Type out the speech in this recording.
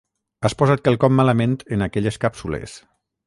Has posat quelcom malament en aquelles càpsules.